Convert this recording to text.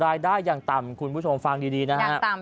ราคาอย่างต่ำคุณผู้ชมฟังดีนะครับ